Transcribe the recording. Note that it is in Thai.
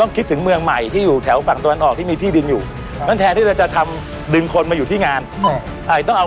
อันนั้นไม่ใช่ชัดชาติครับอันนั้นไม่ใช่ชัดชาติเป็น๕ผู้ว่าแล้ว